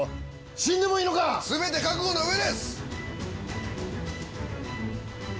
死んでもいいのか⁉全て覚悟の上です！